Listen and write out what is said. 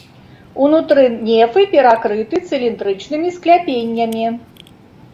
Унутры нефы перакрыты цыліндрычнымі скляпеннямі.